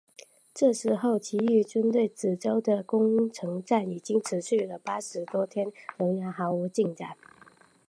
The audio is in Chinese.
这时候起义军对梓州的攻城战已经持续了八十多天仍旧毫无进展。